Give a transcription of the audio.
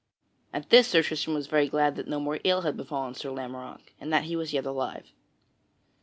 At this Sir Tristram was very glad that no more ill had befallen Sir Lamorack, and that he was yet alive.